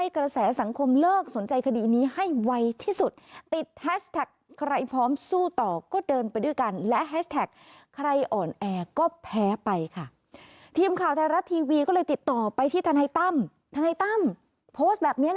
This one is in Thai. ก็เลยติดต่อไปที่ทนายตั้มทนายตั้มโพสต์แบบเนี้ย